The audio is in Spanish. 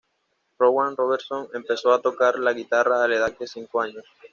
Rowan Robertson empezó a tocar la guitarra a la edad de cinco años.